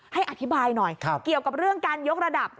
ให้อธิบายหน่อยเกี่ยวกับเรื่องการยกระดับ